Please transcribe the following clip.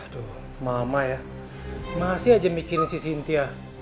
tuh mama ya masih aja mikirin si sintia